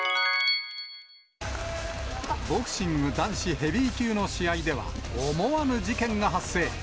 ボクシング男子ヘビー級の試合では、思わぬ事件が発生。